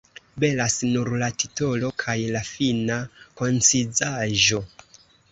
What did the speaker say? Belas nur la titolo kaj la fina koncizaĵo.